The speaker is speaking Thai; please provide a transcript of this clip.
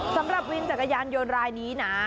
สำหรับวินจักรยานยนต์รายนี้นะ